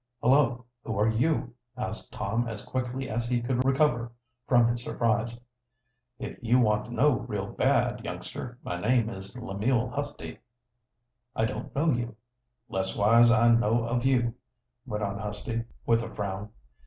"Hullo, who are you?" asked Tom, as quickly as he could recover from his surprise. "If you want to know real bad, youngster, my name is Lemuel Husty." "I don't know you." "But I know you leas'wise I know of you," went on Husty, with a frown.